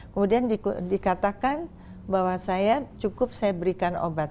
kemudian dikatakan bahwa saya cukup saya berikan obat